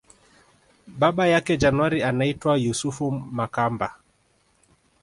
Baba yake January anaitwa Yusufu Makamba